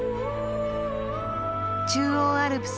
中央アルプス